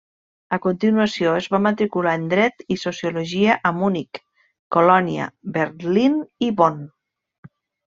A continuació es va matricular en Dret i sociologia a Munic, Colònia, Berlín i Bonn.